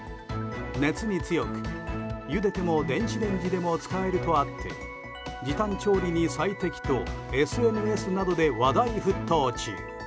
熱に強く、ゆでても電子レンジでも使えるとあって時短調理に最適とＳＮＳなどで話題沸騰中。